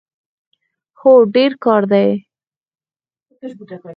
هو، ډیر کار دی